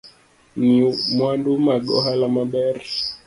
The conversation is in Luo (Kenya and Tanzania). Ng’i mwandu mag ohala maber